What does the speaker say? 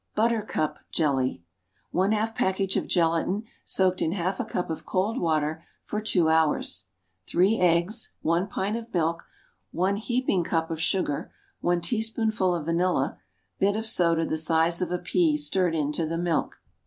Buttercup Jelly. One half package of gelatine soaked in half a cup of cold water for two hours. Three eggs. One pint of milk. One heaping cup of sugar. One teaspoonful of vanilla. Bit of soda the size of a pea stirred into the milk.